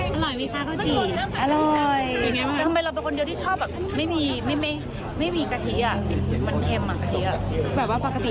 ครับจริงรู้จักจากเขานี่แหละที่แรกแล้วก็ประมาณนี้